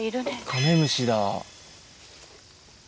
カメムシだ。